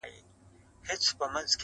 که پر در دي د یار دغه سوال قبلېږي,